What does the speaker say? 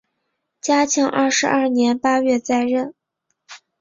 嘉庆二十二年八月再任。